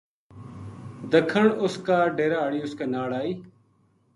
دَکھن اُس کا ڈیرا ہاڑی اُس کے ناڑ آئی